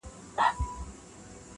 • درې زمري یې له هډونو جوړېدله -